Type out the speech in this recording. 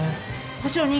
保証人！